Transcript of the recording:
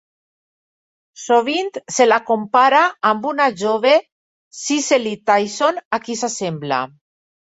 Sovint se la compara amb una jove Cicely Tyson, a qui s'assembla.